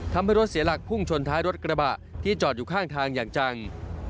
ทำให้รถเสียหลักพุ่งชนท้ายรถกระบะที่จอดอยู่ข้างทางอย่างจัง